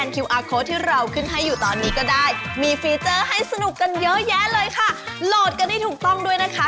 การตั้งแต่๑๑๓๐จนถึง๕ทุ่มค่ะ